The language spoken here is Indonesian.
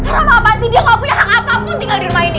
kakak maafan sih dia gak punya hak apapun tinggal di rumah ini